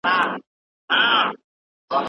د حرم خدمتګارانې په ادب دي